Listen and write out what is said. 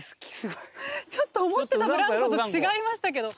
ちょっと思ってたブランコと違いましたけど。